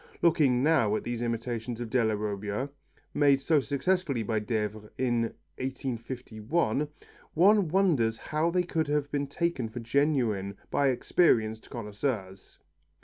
Looking now at these imitations of Della Robbia, made so successfully by Devers in 1851, one wonders how they could have been taken for genuine by experienced connoisseurs.